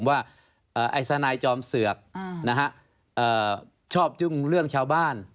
ไอศนายจอมเสือกชอบดึงเรื่องชาวบ้าน